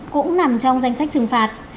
cũng nằm trong danh sách trừng phạt